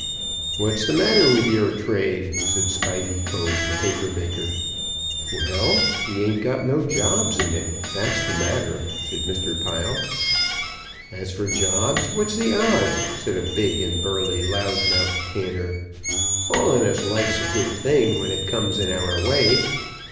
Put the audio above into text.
"What's the matter with your trade?" said Spiveycomb, the paper maker. "Well; we ain't got no jobs in it; that's the matter," said Mr. Pile. "As for jobs, what's the odds?" said a big and burly loud mouthed tanner. "All on us likes a good thing when it comes in our way.